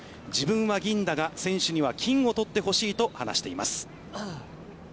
自分は銀だが、選手には金を取ってほしいと話しています。